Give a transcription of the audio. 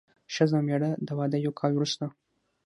ښځه او مېړه د واده یو کال وروسته.